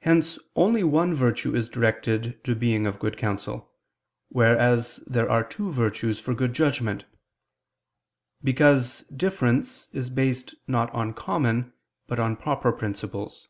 Hence only one virtue is directed to being of good counsel, wheres there are two virtues for good judgment: because difference is based not on common but on proper principles.